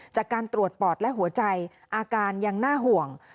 จากการตรวจปอดและหัวใจอาการยังน่าห่วง